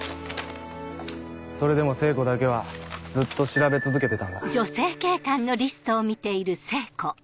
それでも聖子だけはずっと調べ続けてたんだ。